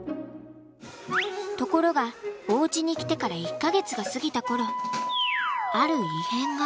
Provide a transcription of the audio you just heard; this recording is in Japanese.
ところがおうちに来てから１か月が過ぎた頃ある異変が。